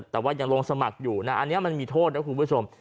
แต่ว่ายังลงสมัครอยู่นะอันนี้มันมีโทษนะคุณผู้ชม